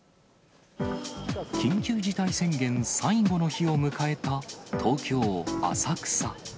緊急事態宣言最後の日を迎えた東京・浅草。